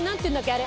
あれ。